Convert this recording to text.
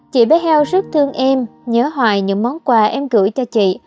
chị mới heo rất thương em nhớ hoài những món quà em gửi cho chị